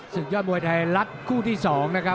สุดยอดบวยไทยลัดคู่ที่๒นะครับ